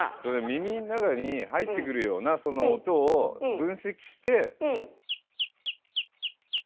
耳ん中に入ってくるようなその音を分析して。